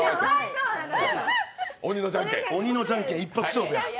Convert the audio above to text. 鬼のじゃんけん一発勝負や。